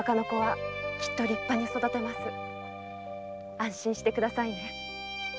安心してくださいね。